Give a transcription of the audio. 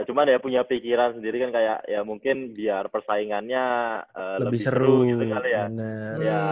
cuma dia punya pikiran sendiri kan kayak ya mungkin biar persaingannya lebih seru gitu kali ya